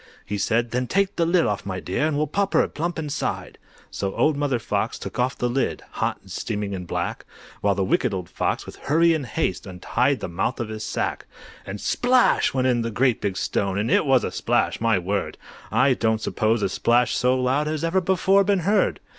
He said, "Then take the lid off, my dear, And we'll pop her plump inside!" So Old Mother Fox took off the lid, Hot and steaming and black, While the Wicked Old Fox, with hurry and haste, Untied the mouth of the sack. And SPLASH! went in the great big stone, It was a splash! my word! I don't suppose a splash so loud Has ever before been heard.